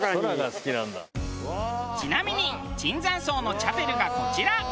ちなみに椿山荘のチャペルがこちら。